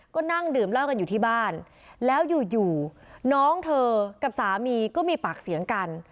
ก็นั่งดื่มเหล้ากันอยู่ที่บ้านแล้วอยู่อยู่น้องเธอกับสามีก็มีปากเสียงกัน